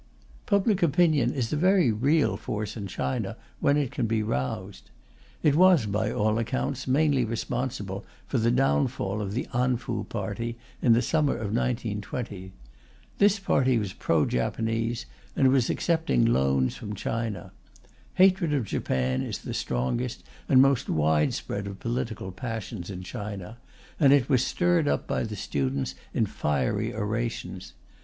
Public opinion is a very real force in China, when it can be roused. It was, by all accounts, mainly responsible for the downfall of the An Fu party in the summer of 1920. This party was pro Japanese and was accepting loans from Japan. Hatred of Japan is the strongest and most widespread of political passions in China, and it was stirred up by the students in fiery orations.